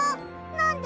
なんで！？